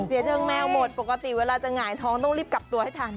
เชิงแมวหมดปกติเวลาจะหงายท้องต้องรีบกลับตัวให้ทัน